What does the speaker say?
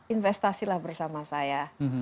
investasilah bersama saya